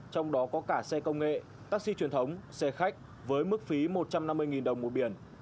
trong đó có cả xe công nghệ taxi truyền thống xe khách với mức phí một trăm năm mươi đồng một biển